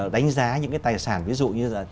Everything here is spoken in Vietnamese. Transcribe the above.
đánh giá những cái tài sản ví dụ như là